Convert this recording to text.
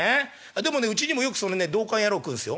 「でもねうちにもよくそのね道灌野郎来るんすよ」。